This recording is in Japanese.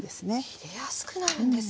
切りやすくなるんですね。